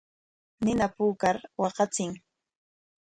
Nina puukar kawachiy.